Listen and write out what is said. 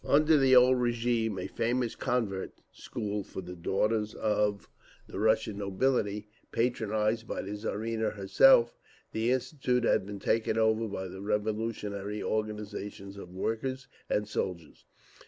Under the old régime a famous convent school for the daughters of the Russian nobility, patronised by the Tsarina herself, the Institute had been taken over by the revolutionary organisations of workers and soldiers.